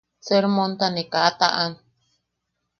Sermonta ne kaa a taʼan.